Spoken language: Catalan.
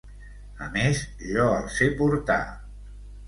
A més, jo el sé portar.